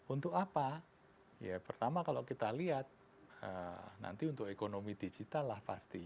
untuk apa ya pertama kalau kita lihat nanti untuk ekonomi digital lah pasti